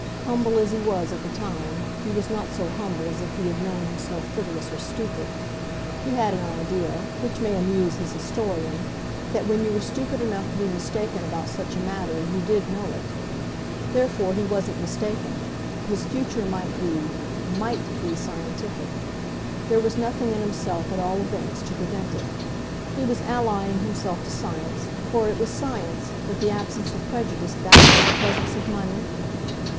Humble as he was, at the same time, he was not so humble as if he had known himself frivolous or stupid. He had an idea which may amuse his historian that when you were stupid enough to be mistaken about such a matter you did know it. Therefore he wasn't mistaken his future might be MIGHT be scientific. There was nothing in himself, at all events, to prevent it. He was allying himself to science, for what was science but the absence of prejudice backed by the presence of money?